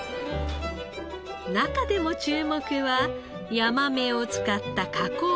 中でも注目はヤマメを使った加工品。